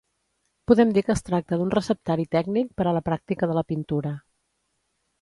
Podem dir que es tracta d'un receptari tècnic per a la pràctica de la pintura.